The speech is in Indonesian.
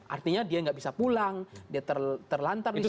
artinya dia gak bisa pulang dia terlantar di sana